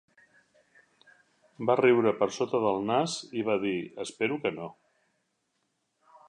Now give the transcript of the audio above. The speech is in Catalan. Va riure per sota del nas i va dir: "Espero que no".